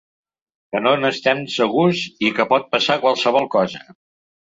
Que no n’estem segurs i que pot passar qualsevol cosa.